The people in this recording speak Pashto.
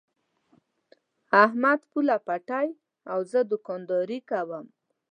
احمد پوله پټی او زه دوکانداري کوم.